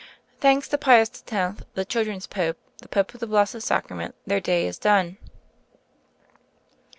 Thanks to Pius X, the Children's Pope, the Pope of the Blessed Sacrament, their day is done.